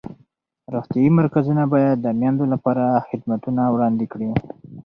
روغتیایي مرکزونه باید د میندو لپاره خدمتونه وړاندې کړي.